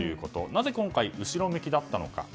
なぜ今回、後ろ向きだったのか。